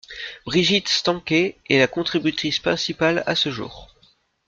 Brigitte Stanké est la contributrice principale à ce jour.